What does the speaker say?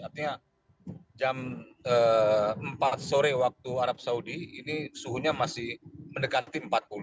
artinya jam empat sore waktu arab saudi ini suhunya masih mendekati empat puluh